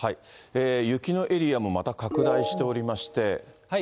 雪のエリアもまた拡大しておりまして。